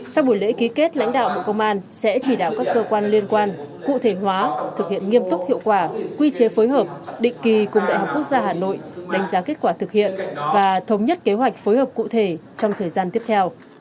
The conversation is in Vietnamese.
sau buổi lễ ký kết lãnh đạo bộ công an sẽ chỉ đạo các cơ quan liên quan cụ thể hóa thực hiện nghiêm túc hiệu quả quy chế phối hợp định kỳ cùng đại học quốc gia hà nội đánh giá kết quả thực hiện và thống nhất kế hoạch phối hợp cụ thể trong thời gian tiếp theo